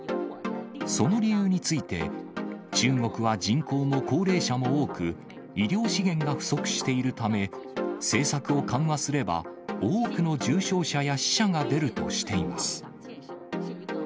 その理由について、中国は人口も高齢者も多く、医療資源が不足しているため、政策を緩和すれば、多くの重症者や死者が出るとしています。